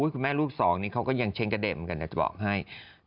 คุณแม่ลูกสองนี้เขาก็ยังเช้งกระเด็มเหมือนกันอยากจะบอกให้